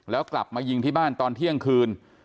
แล้วกลับมายิงที่บ้านตอนเที่ยงคืน